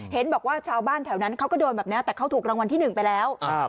เห็นบอกว่าชาวบ้านแถวนั้นเขาก็โดนแบบนี้แต่เขาถูกรางวัลที่หนึ่งไปแล้ว